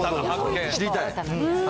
知りたい。